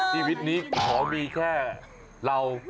ชีวิตนี้ขอมีแค่เรา